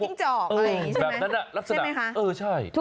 หมาจิ้งจอกอย่างนี้ใช่ไหมใช่ไหมเออใช่